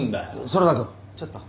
園田君ちょっと。